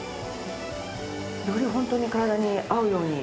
より本当に体に合うように。